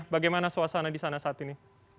bagaimana suasana di sana saat ini